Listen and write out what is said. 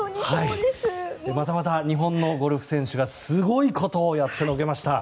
またまた日本のゴルフ選手がすごいことをやってのけました。